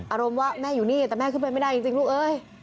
อารมณ์ว่าแม่อยู่นี่แต่แม่ขึ้นไปไม่ได้จริงลูกเอ้ย